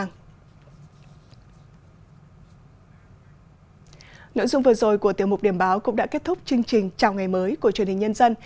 cảm ơn quý vị và các bạn đã quan tâm theo dõi kính chào tạm biệt và hẹn gặp lại